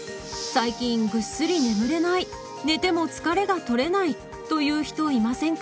最近ぐっすり眠れない寝ても疲れがとれないという人いませんか？